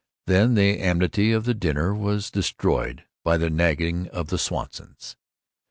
Then the amity of the dinner was destroyed by the nagging of the Swansons.